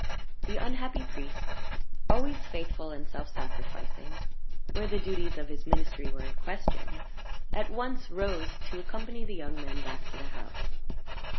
The unhappy priest always faithful and self sacrificing where the duties of his ministry were in question at once rose to accompany the young men back to the house.